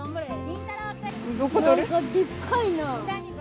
なんかでっかいなあ。